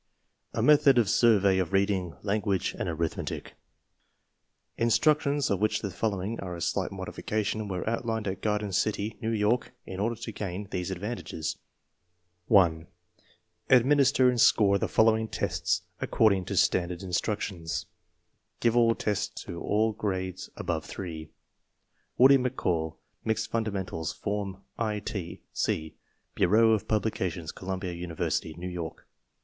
A METHOD OF SURVEY OF READING, LANGUAGE, AND ARITHMETIC Instructions (of which the following are a slight modification) were outlined at Garden City, New York, in order to gain these advantages. 1 I. Administer and score the following tests according to standard instructions. Give all tests to all grades above 3: Woody McCall Mixed Fundamentals Form I T. C. Bureau of Publications, Columbia University, New York.